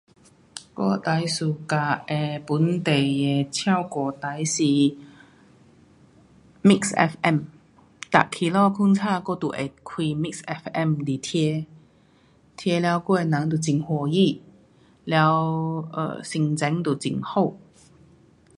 我最 suka 的本地的唱歌台是 mix fm 每早上睡醒我就会开 mix fm 来听。听了整个人就很开心。了 um 心情就很好。